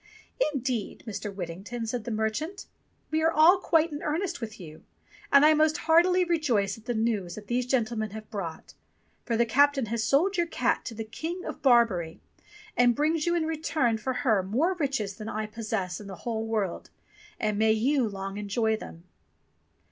"Indeed, Mr. Whittington," said the merchant, "we are all quite in earnest with you, and I most heartily rejoice at the news that these gentlemen have brought. For the captain has sold your cat to the King of Barbary, and brings 250 ENGLISH FAIRY TALES you in return for her more riches than I possess in the whole world ; and may you long enjoy them